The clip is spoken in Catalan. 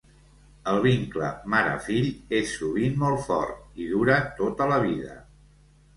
El vincle mare-fill és sovint molt fort, i dura tota la vida.